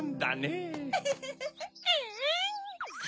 え？